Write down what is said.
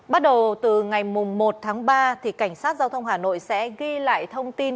bắt đầu từ ngày một tháng ba cảnh sát giao thông hà nội sẽ ghi lại thông tin